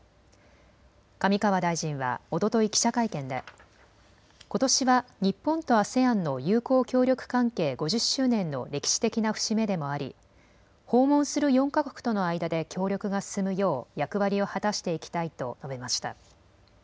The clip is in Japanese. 上川大臣はおととい記者会見でことしは日本とＡＳＥＡＮの友好協力関係５０周年の歴史的な節目でもあり訪問する４か国との間で協力が進むよう役割を果たしていきたいと述べました。